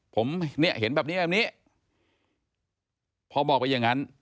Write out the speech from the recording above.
ผมเนี่ยเห็นแบบนี้แบบนี้พอบอกไปอย่างนั้น